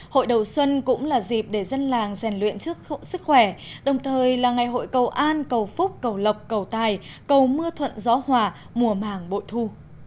hội đầu xuân cũng là dịp để dân làng rèn luyện trước sức khỏe đồng thời là ngày hội cầu an cầu phúc cầu lộc cầu tài cầu mưa thuận gió hòa mùa màng bội thu